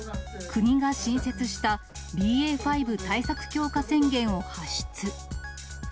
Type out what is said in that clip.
国が新設したＢＡ．５対策強化宣言を発出。